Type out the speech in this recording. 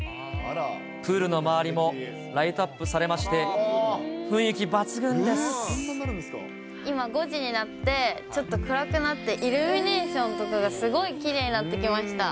プールの周りもライトアップされまして、今５時になって、ちょっと暗くなって、イルミネーションとかがすごいきれいになってきました。